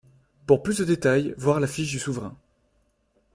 Pour plus de détails voir la fiche du souverain.